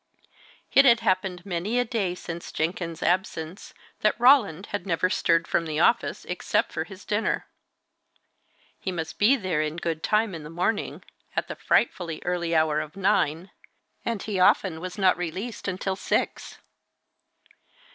It had happened many a day since Jenkins's absence, that Roland had never stirred from the office, except for his dinner. He must be there in good time in the morning at the frightfully early hour of nine and he often was not released until six.